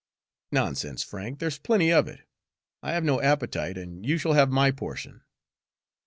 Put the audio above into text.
"Nonsense, Frank, there's plenty of it. I have no appetite, and you shall have my portion."